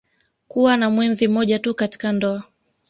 Kuwa na mwenzi mmoja tu katika ndoa